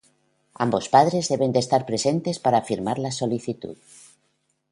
ambos padres deben estar presentes para firmar la solicitud.